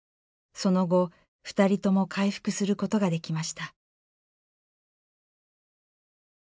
その後２人とも回復することができました。